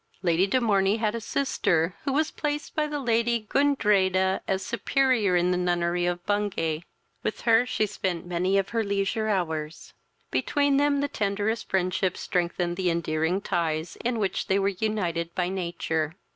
Lady de Morney had a sister, who was placed by the Lady Gundreda as superior in the nunnery of Bungay; with her she spent many of her leisure hours: between them the tenderest friendship strengthened the endearing ties in which they were united by nature.